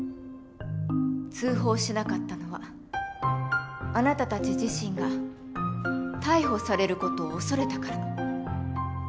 通報しなかったのはあなたたち自身が逮捕される事を恐れたから。